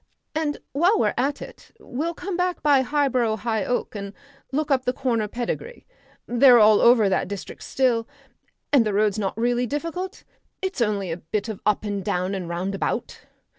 And while we're at it, we'll come back by Harborough High Oak and look up the Corner pedigree. They're all over that district still. And the road's not really difficult; it's only a bit up and down and roundabout."